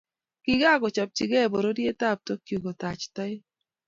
Kikakochopchikei pororiet ab Tokyo kutach toek